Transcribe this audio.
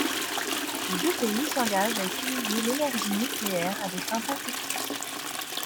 Les deux pays s'engagent à utiliser l'énergie nucléaire à des fins pacifiques.